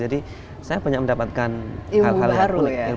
jadi saya banyak mendapatkan hal hal yang